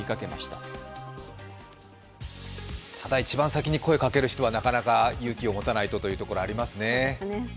ただ、一番先に声をかける人はなかなか勇気を持たないとということですね。